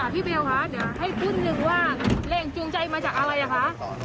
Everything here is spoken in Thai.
พี่เบลคะเดี๋ยวให้ขึ้นหนึ่งว่าแรงจูงใจมาจากอะไรอ่ะคะ